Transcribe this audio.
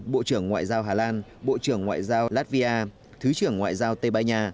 bộ trưởng ngoại giao hà lan bộ trưởng ngoại giao latvia thứ trưởng ngoại giao tây ban nha